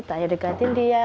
saya dekatin dia